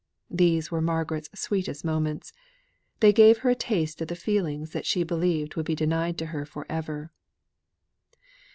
Those were Margaret's sweetest moments. They gave her a taste of the feeling that she believed would be denied to her for ever.